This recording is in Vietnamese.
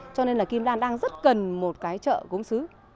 cho nên là kim lan đang rất cần một cái chợ công xứ